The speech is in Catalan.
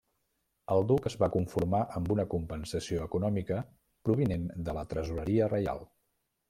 El duc es va conformar amb una compensació econòmica provinent de la tresoreria reial.